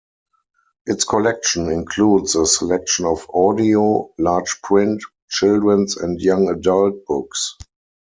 Its collection includes a selection of audio, large print, children's and young adult books.